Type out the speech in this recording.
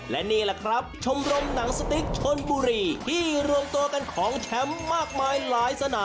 และนี่แหละครับชมรมหนังสติ๊กชนบุรีที่รวมตัวกันของแชมป์มากมายหลายสนาม